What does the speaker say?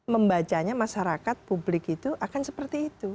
membacanya masyarakat publik itu akan seperti itu